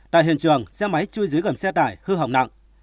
tại hiện trường xe máy chui dưới gầm xe tải hư hỏng nặng